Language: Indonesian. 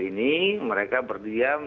ini mereka berdiam